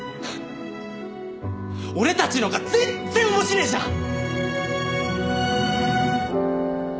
俺たちのが全然面白えじゃん！